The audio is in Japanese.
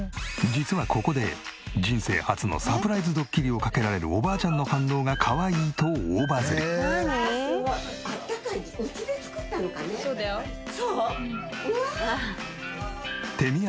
実はここで人生初のサプライズドッキリをかけられるおばあちゃんの反応がかわいいと大バズり。